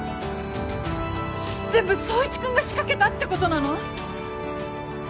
全部宗一君が仕掛けたってことなの？